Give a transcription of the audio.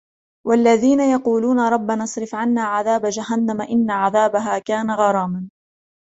والذين يقولون ربنا اصرف عنا عذاب جهنم إن عذابها كان غراما